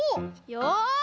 よし！